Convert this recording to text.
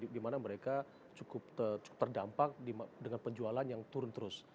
di mana mereka cukup terdampak dengan penjualan yang turun terus